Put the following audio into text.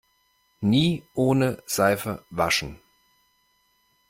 Nie ohne Seife waschen!